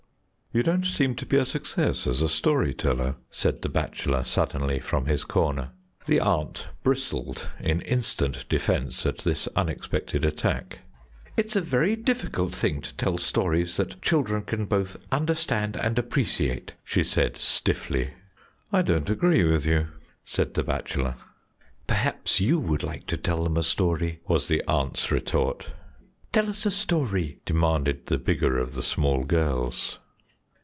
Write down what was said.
"You don't seem to be a success as a story teller," said the bachelor suddenly from his corner. The aunt bristled in instant defence at this unexpected attack. "It's a very difficult thing to tell stories that children can both understand and appreciate," she said stiffly. "I don't agree with you," said the bachelor. "Perhaps you would like to tell them a story," was the aunt's retort. "Tell us a story," demanded the bigger of the small girls.